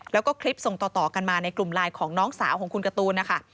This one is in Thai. แล้วก็คลิปส่งต่อกันมาในกลุ่มไลน์ของน้องสาวของคุณการ์ตูนนะคะ